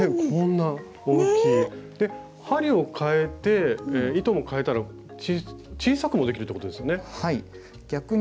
こんな大きい針をかえて糸もかえたら小さくもできるってことですよね。